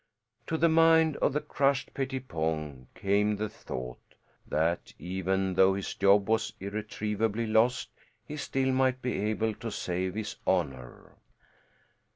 To the mind of the crushed Pettipon came the thought that even though his job was irretrievably lost he still might be able to save his honor.